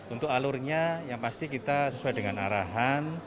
untuk alurnya yang pasti kita sesuai dengan arahan